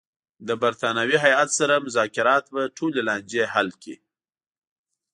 د برټانوي هیات سره مذاکرات به ټولې لانجې حل کړي.